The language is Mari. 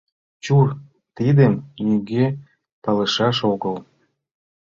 Чур — тидым нигӧ палышаш огыл.